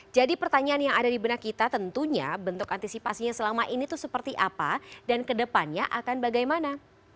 jadi pertanyaan yang ada di benak kita tentunya bentuk antisipasinya selama ini tuh seperti apa dan kedepannya akan bagaimana